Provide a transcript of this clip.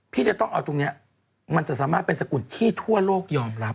พี่จะต้องเอาตรงนี้มันจะสามารถเป็นสกุลที่ทั่วโลกยอมรับ